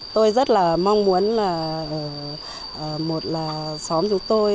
tôi rất là mong muốn là một là xóm chúng tôi